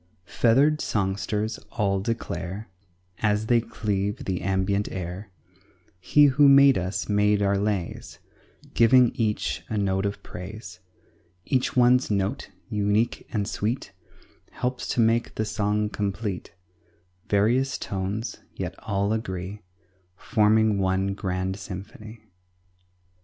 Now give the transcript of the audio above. Feathered songsters all declare As they cleave the ambient air, "He who made us made our lays, Giving each a note of praise; Each one's note, unique and sweet, Helps to make the song complete; Various tones, yet all agree, Forming one grand symphony."